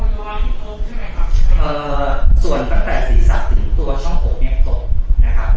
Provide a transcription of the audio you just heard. ส่วนตั้งแต่ศรีสัมภัยตรงตัวช่องหกเนี้ยตกนะครับ